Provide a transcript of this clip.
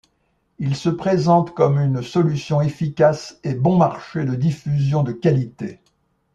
Il se présente comme une solution efficace et bon marché de diffusion de qualité.